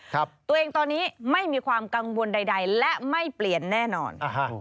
ตัวเองตอนนี้ไม่มีความกังวลใดใดและไม่เปลี่ยนแน่นอนอ่าฮะ